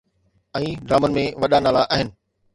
۽ ڊرامن ۾ وڏا نالا آهن